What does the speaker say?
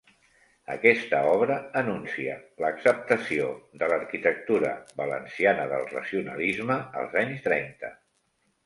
Aquesta obra anuncia l'acceptació de l'arquitectura valenciana del racionalisme als anys trenta.